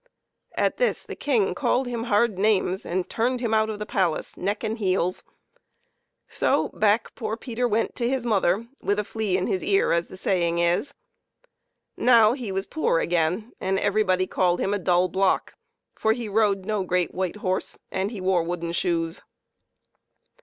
At this the King called him hard names and turned him put of the palace, neck and heels ; so back poor Peter went to his mother with a flea in his ear, as the saying is. Now he was poor again, and everybody called him a dull block, for he rode no great white horse and he wore wooden shoes.